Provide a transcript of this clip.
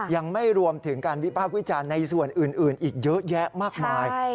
ยังไม่รวมถึงการวิพากษ์วิจารณ์ในส่วนอื่นอีกเยอะแยะมากมาย